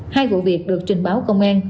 hai vụ việc được trình báo công an